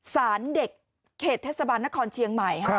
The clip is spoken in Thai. สารเด็กเขตเทศบาลนครเชียงใหม่